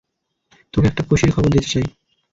তোকে একটা খুশির খবর দিতে চাই।